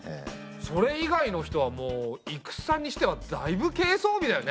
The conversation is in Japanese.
それ以外の人はもう戦にしてはだいぶ軽装備だよね。